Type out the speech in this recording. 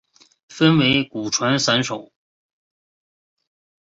分为古传散手。